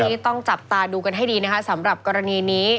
นี่ต้องจับตาดูกันให้ดีนะคะสำหรับกรณีนี้